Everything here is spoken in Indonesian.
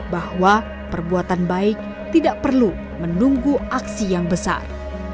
bahwa perbuatan baik tidak perlu menunggu aksi yang besar